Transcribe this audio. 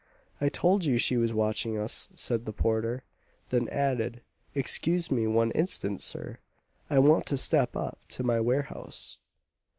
"I told you she was watching us," said the porter. Then added, "Excuse me one instant, sir; I want to step up to my warehouse."